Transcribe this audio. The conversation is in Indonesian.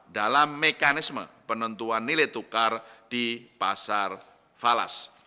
dalam mekanisme penentuan nilai tukar di pasar falas